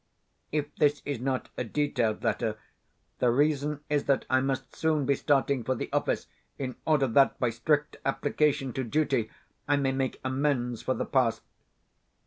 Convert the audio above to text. If this is not a detailed letter, the reason is that I must soon be starting for the office, in order that, by strict application to duty, I may make amends for the past.